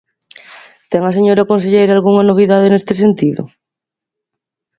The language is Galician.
¿Ten a señora conselleira algunha novidade neste sentido?